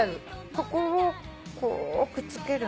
ここをこうくっつけるんだね。